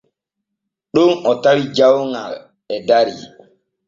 Ɗon o tawi jawŋal e dari.